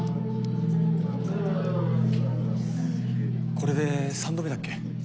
これで三度目だっけ？